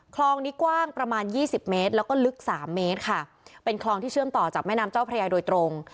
คลองนี้กว้างประมาณยี่สิบเมตรแล้วก็ลึกสามเมตรค่ะเป็นคลองที่เชื่อมต่อจากแม่น้ำเจ้าพระยาโดยตรง